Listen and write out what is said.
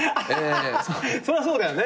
そりゃそうだよね。